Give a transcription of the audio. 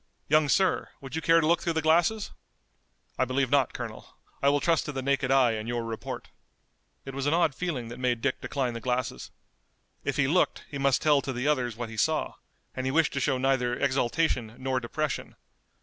Young sir, would you care to look through the glasses?" "I believe not, Colonel. I will trust to the naked eye and your report." It was an odd feeling that made Dick decline the glasses. If he looked he must tell to the others what he saw, and he wished to show neither exultation nor depression.